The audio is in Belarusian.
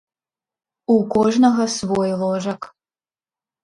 У кожнага свой ложак.